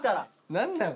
何なん？